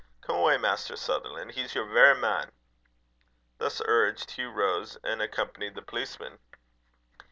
Come awa', Maister Sutherlan', he's yer verra man." Thus urged, Hugh rose and accompanied the policeman.